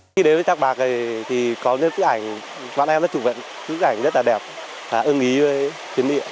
khi đến với thác bạc thì có những phức ảnh bạn em rất chủ vận phức ảnh rất là đẹp và ưng ý với thiên địa